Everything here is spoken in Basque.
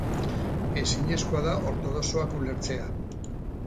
Ezinezkoa da ortodoxoak ulertzea.